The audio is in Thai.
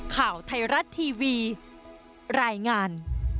ข่าวไทยรัฐทีวีรายงาน